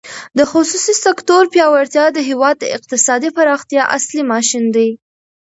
د خصوصي سکتور پیاوړتیا د هېواد د اقتصادي پراختیا اصلي ماشین دی.